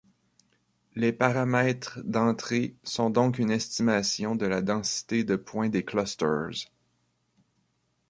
Les paramètres d'entrées sont donc une estimation de la densité de points des clusters.